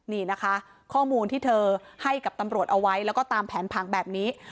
นี่นะคะข้อมูลที่เธอให้กับตำรวจเอาไว้แล้วก็ตามแผนผังแบบนี้